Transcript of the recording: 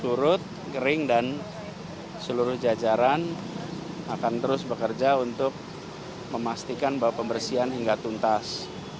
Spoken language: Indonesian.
surut kering dan seluruh jajaran akan terus bekerja untuk memastikan bahwa pembersihan hingga tuntas